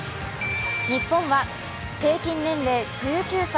日本は平均年齢１９歳。